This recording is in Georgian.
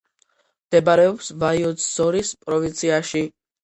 მდებარეობს ვაიოცძორის პროვინციაში.